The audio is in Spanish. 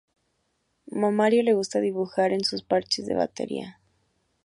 A Mario le gusta dibujar en sus parches de batería.